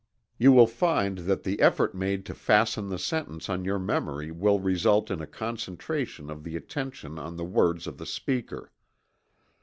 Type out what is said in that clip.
You will find that the effort made to fasten the sentence on your memory will result in a concentration of the attention on the words of the speaker.